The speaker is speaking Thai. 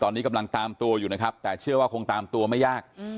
ตอนนี้กำลังตามตัวอยู่นะครับแต่เชื่อว่าคงตามตัวไม่ยาก